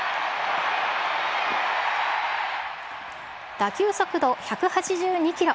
打球速度１８２キロ。